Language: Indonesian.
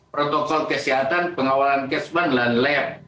protokol kesehatan pengawalan cashman dan lab